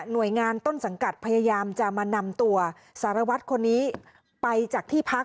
โดยงานต้นสังกัดพยายามจะมานำตัวสารวัตรคนนี้ไปจากที่พัก